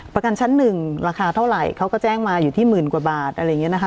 ประกันชั้นหนึ่งราคาเท่าไหร่เขาก็แจ้งมาอยู่ที่หมื่นกว่าบาทอะไรอย่างนี้นะคะ